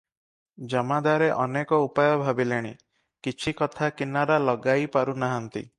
ଜମାଦାରେ ଅନେକ ଉପାୟ ଭାବିଲେଣି, କିଛି କଥା କିନାରା ଲଗାଇ ପାରୁ ନାହାନ୍ତି ।